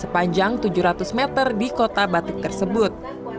sepanjang tujuh ratus meter di kota batik tersebut